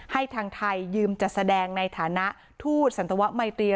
ให้ทางไทยยืมจัดแสดงในฐานะทูตสันตวะไมเตีย